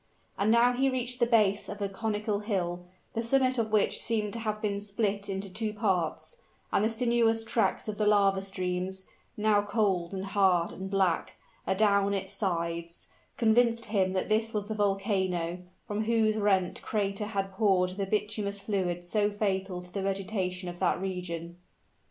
And now he reached the base of a conical hill, the summit of which seemed to have been split into two parts: and the sinuous tracks of the lava streams, now cold, and hard, and black, adown its sides, convinced him that this was the volcano, from whose rent crater had poured the bituminous fluid so fatal to the vegetation of that region.